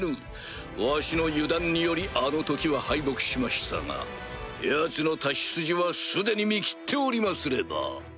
わしの油断によりあの時は敗北しましたがヤツの太刀筋は既に見切っておりますれば。